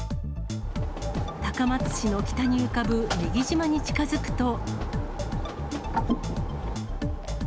高松市の北に浮かぶ女木島に近づくと。